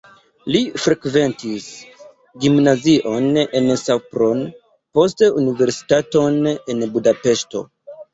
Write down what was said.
Li frekventis gimnazion en Sopron, poste universitaton en Budapeŝto.